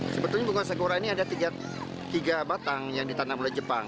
sebetulnya bunga sakura ini ada tiga batang yang ditanam oleh jepang